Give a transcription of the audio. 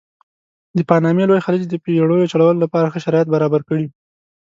د پانامې لوی خلیج د بېړیو چلولو لپاره ښه شرایط برابر کړي.